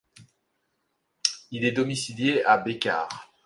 Il est domicilié à Béccar.